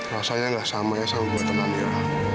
rasanya nggak sama ya sama buat teman ya